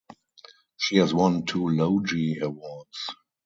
She has won two Logie Awards.